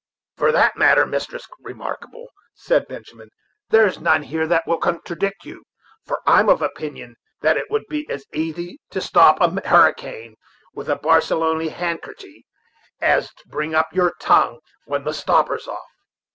"For that matter, Mistress Remarkable," said Benjamin, "there's none here who will contradict you; for I'm of opinion that it would be as easy to stop a hurricane with a Barcelony handkerchy as to bring up your tongue when the stopper is off.